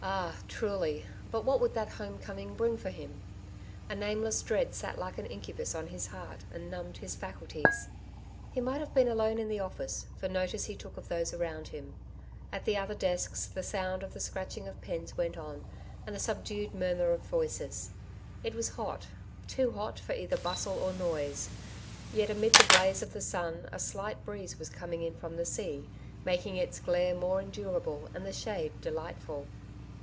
Ah, truly; but what would that home coming bring for him ? A name less dread sat like an incubus on his heart, and numbed his faculties. He might have been alone in the oflBce, for any no tice he took of those around him. At the other desks the sound of the scratching of pens went on, and the subdued murmur of voices. It was hot, too hot for either bustle or noise, yet amid the blaze of the sun a slight breeze was coming in from the sea, making its glare more endurable and the shade delightful.